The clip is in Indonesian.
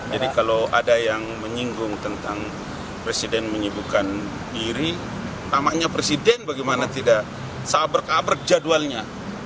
jadi kalau ada yang menyinggung tentang presiden menyibukkan diri namanya presiden bagaimana tidak sabar kabar jadwalnya